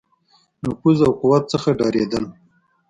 نفوذ او قوت څخه ډارېدل.